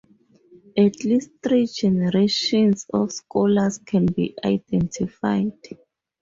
At least three generations of scholars can be identified.